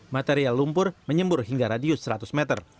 material lumpur menyembur hingga radius seratus meter